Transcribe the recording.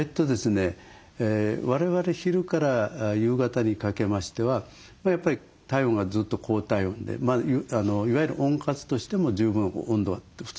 我々昼から夕方にかけましてはやっぱり体温がずっと高体温でいわゆる温活としても十分温度が普通に上がっていく時間帯ですよね。